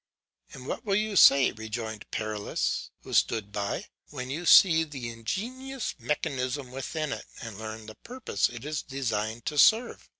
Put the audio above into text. "And what will you say," rejoined Perilaus, who stood by, "when you see the ingenious mechanism within it, and learn the purpose it is designed to serve?"